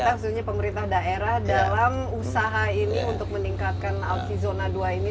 maksudnya pemerintah daerah dalam usaha ini untuk meningkatkan ausi zona dua ini